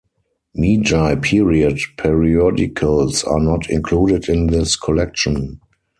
Meiji period periodicals are not included in this collection.